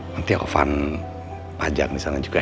nanti alvan pajang di sana juga ya